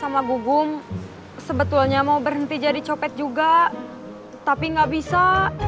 sama gugum sebetulnya mau berhenti jadi copet juga tapi nggak bisa